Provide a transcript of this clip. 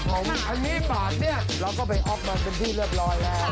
ผมอันนี้บาทเนี่ยเราก็ไปอ๊อฟมาเป็นที่เรียบร้อยแล้ว